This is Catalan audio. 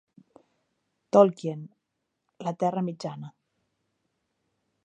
Tolkien, la Terra Mitjana.